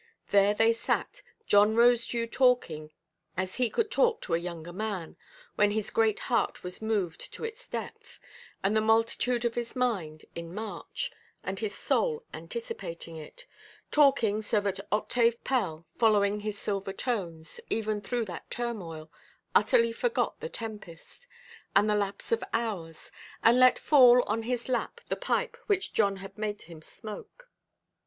There they sat, John Rosedew talking, as he could talk to a younger man, when his great heart was moved to its depth, and the multitude of his mind in march, and his soul anticipating it: talking so that Octave Pell, following his silver tones, even through that turmoil, utterly forgot the tempest, and the lapse of hours, and let fall on his lap the pipe, which John had made him smoke.